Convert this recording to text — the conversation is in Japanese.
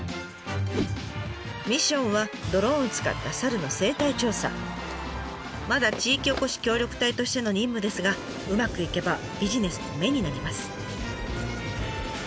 ミッションはドローンを使ったまだ地域おこし協力隊としての任務ですがうまくいけばビジネスの芽になります。